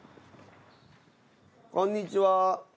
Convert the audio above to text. こんにちは！